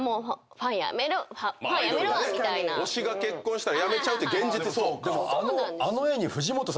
推しが結婚したらやめちゃうって現実そう。